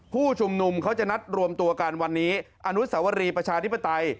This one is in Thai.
ผู้ชุมนุมเขาจะนัดรวมตัวกันวันนี้อนุสวรีประชาธิปไตย